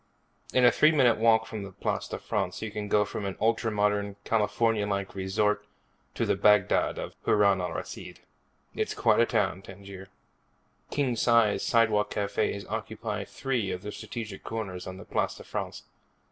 In a three minute walk from the Place de France you can go from an ultra modern, California like resort to the Baghdad of Harun al Rashid. It's quite a town, Tangier. King size sidewalk cafes occupy three of the strategic corners on the Place de France.